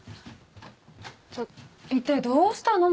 一体どうしたの？